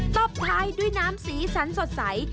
ตบท้ายด้วยน้ำสีสันสดใส